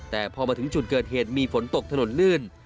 แต่พอมาถึงจุดเกิดเหตุมีฝนตกถนนลื่น